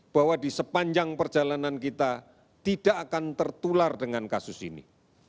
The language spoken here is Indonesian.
bahwa di sepanjang perjalanan kita tidak akan tertular dengan kasus ini